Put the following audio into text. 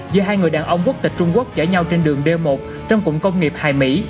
giữa hai người đàn ông quốc tịch trung quốc chở nhau trên đường d một trong cụm công nghiệp hài mỹ